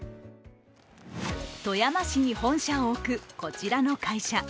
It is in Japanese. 富山市に本社を置くこちらの会社。